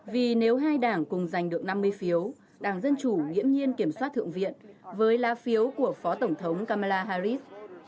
vì nếu hai đảng cùng giành được năm mươi phiếu đảng dân chủ nghiễm nhiên kiểm soát thượng viện với lá phiếu của phó tổng thống kamala harris